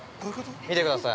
見てください。